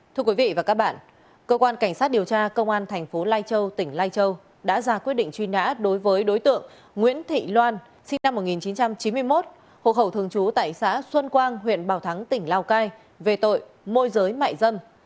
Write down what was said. thưa quý vị và các bạn cơ quan cảnh sát điều tra công an thành phố lai châu tỉnh lai châu đã ra quyết định truy nã đối với đối tượng nguyễn thị loan sinh năm một nghìn chín trăm chín mươi một hộ khẩu thường trú tại xã xuân quang huyện bảo thắng tỉnh lào cai về tội môi giới mại dâm